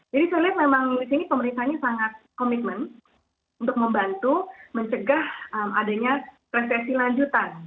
jadi saya lihat memang di sini pemerintahnya sangat komitmen untuk membantu mencegah adanya resesi lanjutan